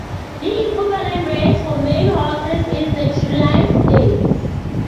The equivalent race for male horses is the July Stakes.